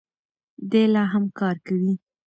دی لا هم کار کوي.